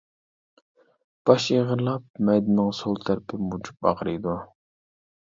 باش ئېغىرلاپ، مەيدىنىڭ سول تەرىپى مۇجۇپ ئاغرىيدۇ.